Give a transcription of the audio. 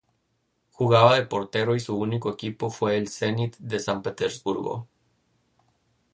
Jugaba de portero y su único equipo fue el Zenit de San Petersburgo.